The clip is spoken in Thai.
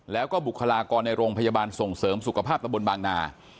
แล้วก็บุคลากรในโรงพยาบาลส่งเสริมสุขภาพตะบนบางนา